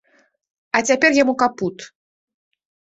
А цяпер яму капут.